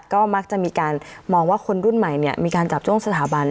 ก็มักจะมีการมองว่าคนรุ่นใหม่มีการจับจ้วงสถาบัน